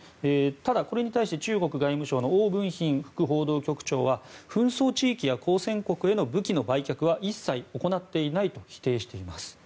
ただ、これに対して中国外務省のオウ・ブンヒン副報道局長は紛争地域や交戦国への武器の売却は一切行っていないと否定しています。